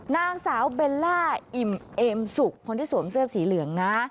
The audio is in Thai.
นางสาวเบลล่าอิ่มเอมสุกคนที่สวมเสื้อสีเหลืองนะ